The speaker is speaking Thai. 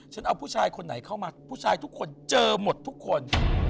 เอาผู้ชายคนไหนเข้ามาผู้ชายทุกคนเจอหมดทุกคน